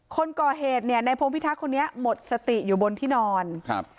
คนก่อเหตุเนี่ยในพงพิทักษ์คนนี้หมดสติอยู่บนที่นอนครับ